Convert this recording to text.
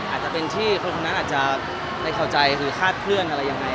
อาจจะเป็นที่คนคุณนั้นได้เข้าใจคือคาดเพื่อนอะไรยังไง